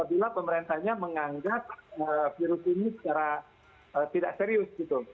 apabila pemerintahnya menganggap virus ini secara tidak serius gitu